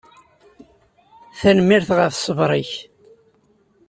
Tanemmirt ɣef ṣṣber-nnek.